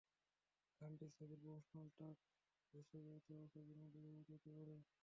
গানটি ছবির promotional track হিসেবে অথবা ছবির মধ্যে ব্যবহৃত হতে পারে।